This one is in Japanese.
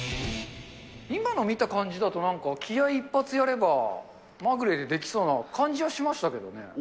今の見た感じだと、なんか気合い一発やれば、まぐれでできそうな感じはしましたけどね。